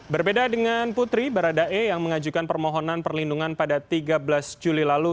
berbeda dengan putri baradae yang mengajukan permohonan perlindungan pada tiga belas juli lalu